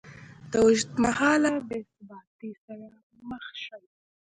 ه اوږدمهاله بېثباتۍ سره مخ شي